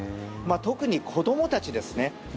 特に子どもたちですね。